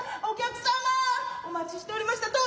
お客様お待ちしておりました。